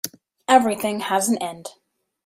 Everything has an end.